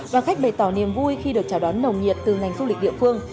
và khách bày tỏ niềm vui khi được chào đón nồng nhiệt từ ngành du lịch địa phương